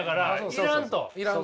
要らんと。